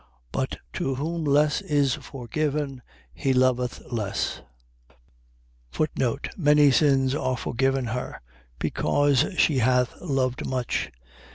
But to whom less is forgiven, he loveth less. Many sins are forgiven her, because she hath loved much.